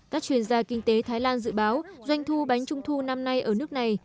các chuyên gia kinh tế thái lan dự báo doanh thu bánh trung thu năm nay ở nước này